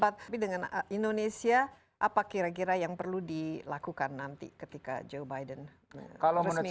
tapi dengan indonesia apa kira kira yang perlu dilakukan nanti ketika joe biden resmi